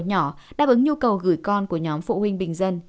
nhỏ đáp ứng nhu cầu gửi con của nhóm phụ huynh bình dân